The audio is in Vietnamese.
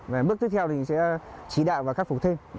và bước tiếp theo thì sẽ trí đạo và khắc phục thêm